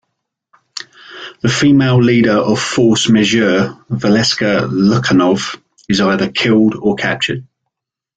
The female leader of Force Majeure, Valeska Lukanov, is either killed or captured.